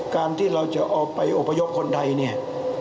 การที่เราจะไปอุปยกคนไทยเนี่ย